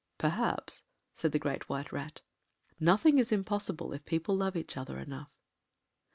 “Perhaps,” said the Great White Rat, “nothing is impossible if people love each other enough.